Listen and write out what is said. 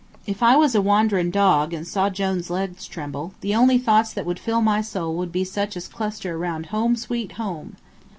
If I was a wanderin' dog and saw Jone's legs tremble, the only thoughts that would fill my soul would be such as cluster around "Home, Sweet Home."